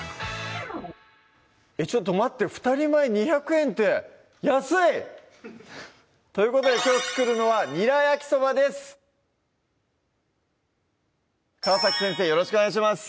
ちょっと待って２人前２００円って安い！ということできょう作るのは「ニラ焼きそば」です川先生よろしくお願いします